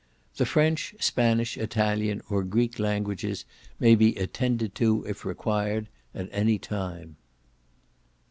The French, Spanish, Italian, or Greek languages may be attended to, if required, at any time.